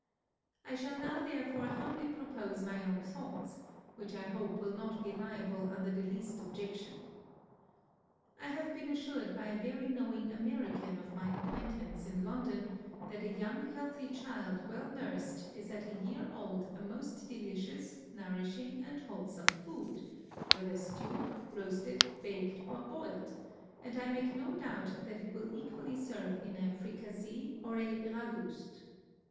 I shall now therefore humbly propose my own thoughts, which I hope will not be liable to the least objection. I have been assured by a very knowing American of my acquaintance in London, that a young healthy child well nursed, is, at a year old, a most delicious nourishing and wholesome food, whether stewed, roasted, baked, or boiled; and I make no doubt that it will equally serve in a fricasee, or a ragoust.